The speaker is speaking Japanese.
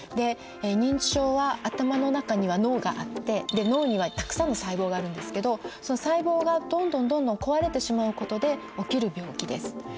認知症は頭の中には脳があって脳にはたくさんの細胞があるんですけどその細胞がどんどんどんどん壊れてしまうことで起きる病気です。